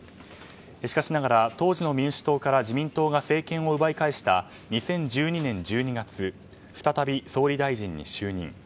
しかしながら、当時の民主党から自民党が政権を奪い返した２０１２年１２月再び総理大臣に就任。